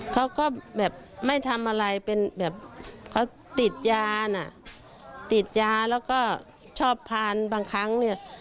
เขาก็แบบไม่ทำอะไรเป็นแบบเขาติดยาน่ะติดยาแล้วก็ชอบทานบางครั้งเนี่ย